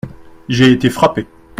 J’ai été frappé.